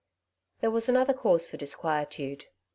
There was another cause for disquietude.